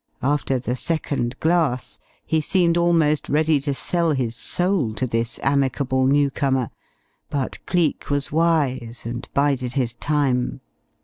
After the second glass he seemed almost ready to sell his soul to this amicable newcomer, but Cleek was wise, and bided his time.